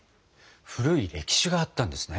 古い歴史があったんですね。